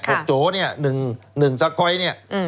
ประโยคเนี้ยหนึ่งหนึ่งสักครั้ยเนี้ยอืม